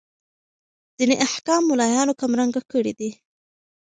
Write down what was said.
ديني احكام ملايانو کم رنګه کړي دي.